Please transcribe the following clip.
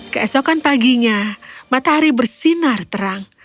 keesokan paginya matahari bersinar terang